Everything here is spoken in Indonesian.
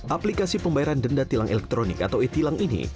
aplikasi pembayaran denda tilang elektronik atau e tilang ini